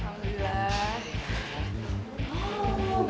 oh bagus dong